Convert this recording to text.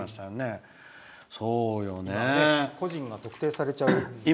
個人が特定されちゃうとかね。